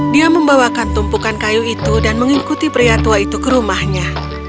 dia membawakan tumpukan kayu itu dan mengikuti pria tua itu ke rumahnya